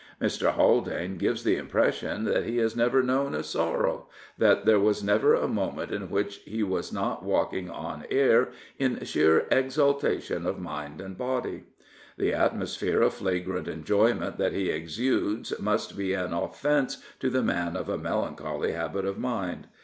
Mr. HaJdane gives the impression that he has never known a sorrow — that there was never a moment in which he was not walking on air in sheer exaltation of mind and body. The atmosphere of flagrant enjoyment that he exudes must be an offence to the man of a melancholy habit of mind.